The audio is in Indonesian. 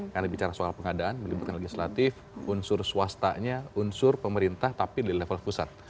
karena bicara soal pengadaan melibatkan legislatif unsur swastanya unsur pemerintah tapi di level pusat